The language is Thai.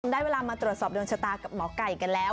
ได้เวลามาตรวจสอบดวงชะตากับหมอไก่กันแล้ว